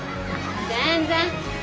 全然。